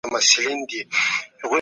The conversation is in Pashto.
ما پرون په انټرنیټ کي نوی درس ولوست.